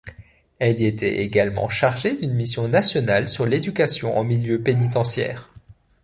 Elle y était également chargée d’une mission nationale sur l’éducation en milieu pénitentiaire.